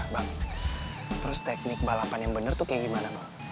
bang terus teknik balapan yang benar tuh kayak gimana bang